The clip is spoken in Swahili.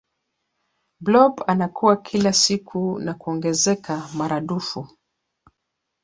blob anakua kila siku na kuongezeka maradufu